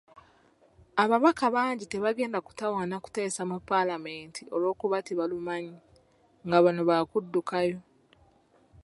Ababaka bangi tebagenda kutawaana kuteesa mu paalamenti olwokuba tebalumanyi, nga bano bakuddukayo.